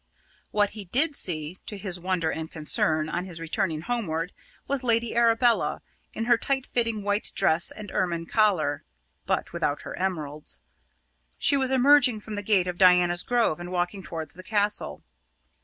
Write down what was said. What he did see, to his wonder and concern, on his returning homeward, was Lady Arabella, in her tight fitting white dress and ermine collar, but without her emeralds; she was emerging from the gate of Diana's Grove and walking towards the Castle.